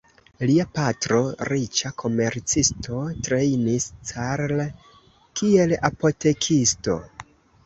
Lia patro, riĉa komercisto, trejnis Carl kiel apotekisto.